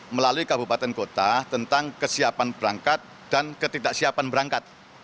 melalui kabupaten kota tentang kesiapan berangkat dan ketidaksiapan berangkat